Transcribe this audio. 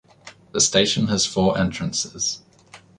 The station has four entrances.